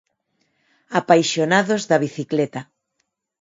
Apaixonados da bicicleta.